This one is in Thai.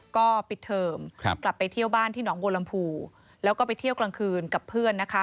ก็ปิดเทิมกลับไปเที่ยวบ้านที่หนองบัวลำพูแล้วก็ไปเที่ยวกลางคืนกับเพื่อนนะคะ